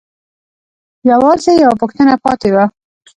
يوازې يوه پوښتنه پاتې وه.